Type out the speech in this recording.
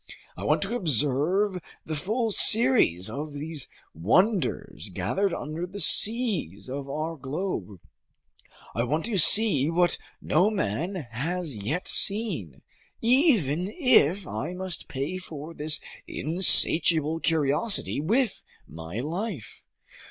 I want to observe the full series of these wonders gathered under the seas of our globe. I want to see what no man has seen yet, even if I must pay for this insatiable curiosity with my life!